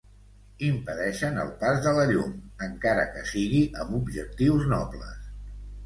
Impedeixen el pas de la llum, encara que sigui amb objectius nobles.